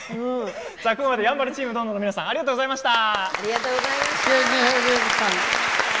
やんばるチームどんどんの皆さんありがとうございました。